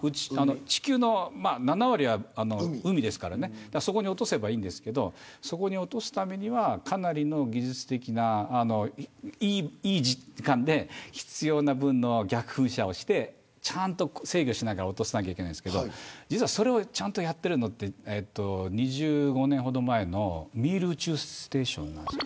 地球の７割は海ですからそこに落とせばいいんですけれどそこに落とすためにはかなり技術的ないい時間で必要な分の逆噴射をしてちゃんと制御して落とさないといけないんですけれど実はそれをちゃんとやっているのは２５年ほど前のミール宇宙ステーションなんです。